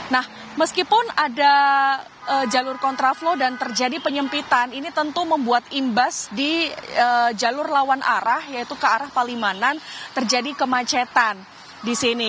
nah meskipun ada jalur kontraflow dan terjadi penyempitan ini tentu membuat imbas di jalur lawan arah yaitu ke arah palimanan terjadi kemacetan di sini